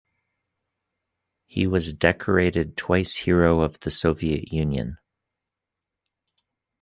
He was decorated twice Hero of the Soviet Union.